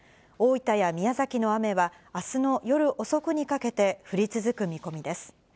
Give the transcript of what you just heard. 大分や宮崎の雨は、あすの夜遅くにかけて降り続く見込みです。